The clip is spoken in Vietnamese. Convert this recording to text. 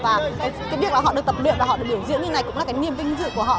và cái việc là họ được tập luyện và họ được biểu diễn như này cũng là cái niềm vinh dự của họ